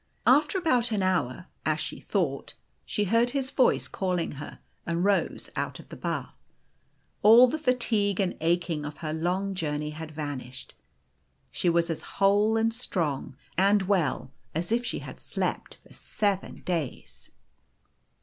After about an hour, as she thought, she heard his voice calling her, and rose out of the bath. All the O ? fatigue and aching of her long journey had vanished. 2O2 The Golden Key She was as whole, and strong, and well as if she had slept for seven days.